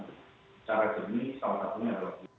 secara jernih salah satunya adalah biar syafiee